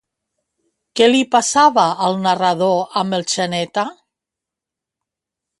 Què li passava al narrador amb el Xaneta?